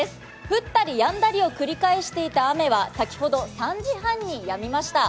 降ったりやんだりを繰り返していた雨は先ほど、３時半にやみました。